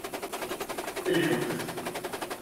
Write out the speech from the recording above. Lḥut.